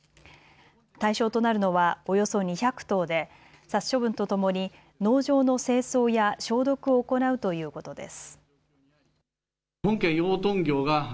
対象となるのはおよそ２００頭で殺処分とともに農場の清掃や消毒を行うということです。